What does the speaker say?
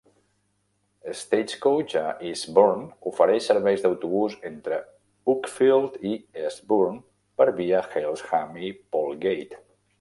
Stagecoach a Eastbourne ofereix serveis d'autobús entre Uckfield i Eastbourne per via Hailsham i Polegate.